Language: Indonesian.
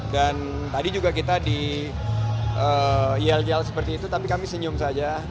dan tadi juga kita di yljl seperti itu tapi kami senyum saja